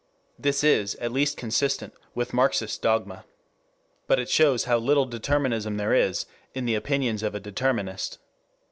This is at least consistent with Marxist dogma. But it shows how little determinism there is in the opinions of a determinist.